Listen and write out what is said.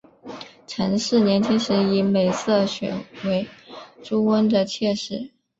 陈氏年轻时以美色选为朱温的妾室。